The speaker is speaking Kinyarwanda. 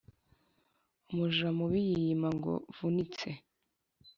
Umuja mubi yiyima ngo vunitse